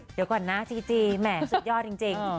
เดี๋ยวก่อนนะจริงแหม่สุดยอดจริง